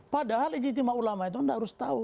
padahal ijtima'ul iyah itu tidak harus tahu